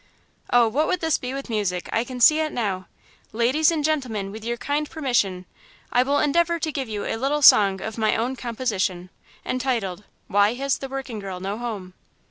"Oh, what would this be with music! I can see it now! Ladies and gentlemen, with your kind permission, I will endeavour to give you a little song of my own composition, entitled: 'Why Has the Working Girl No Home!'"